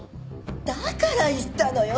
だから言ったのよ。